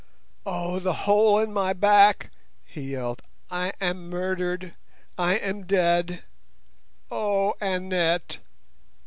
"Oh, the hole in my back!" he yelled. "I am murdered. I am dead. Oh, Annette!"